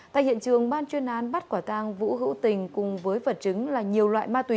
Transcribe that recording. tại hiện trường ban chuyên án bắt quả tang vũ hữu tình cùng với vật chứng là nhiều loại ma túy